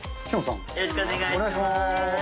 よろしくお願いします。